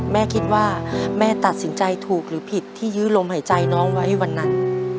แม่คิดว่าแม่ตัดสินใจถูกหรือผิดที่ยื้อลมหายใจน้องไว้วันนั้น